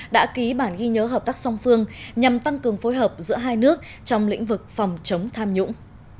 đã ký bản ghi nhớ hợp tác song phương nhằm tăng cường phối hợp giữa hai nước trong lĩnh vực phòng chống tham nhũng